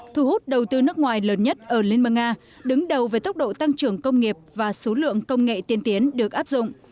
thu hút đầu tư nước ngoài lớn nhất ở liên bang nga đứng đầu về tốc độ tăng trưởng công nghiệp và số lượng công nghệ tiên tiến được áp dụng